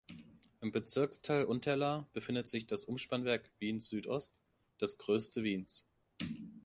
Im Bezirksteil Unterlaa befindet sich das Umspannwerk Wien-Südost, das größte Wiens.